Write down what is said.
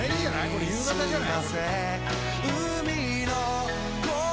これ夕方じゃない？